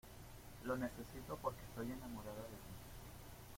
lo necesito porque estoy enamorada de ti.